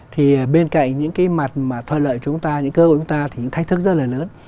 thì bên cạnh những cái mặt mà thoi lợi của chúng ta những cơ hội của chúng ta thì thách thức rất là lớn